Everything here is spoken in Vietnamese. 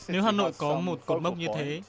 nếu hà nội có một cột mốc như thế